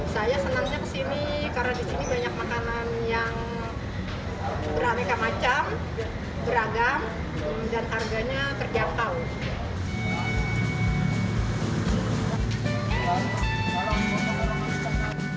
saya senangnya kesini karena di sini banyak makanan yang beraneka macam beragam dan harganya terjangkau